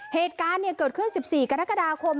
เหตุการณ์เกิดขึ้น๑๔กรกฎาคม